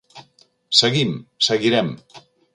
Seguim, seguirem.